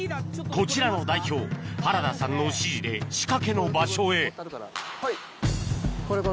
こちらの代表原田さんの指示で仕掛けの場所へこれこれ。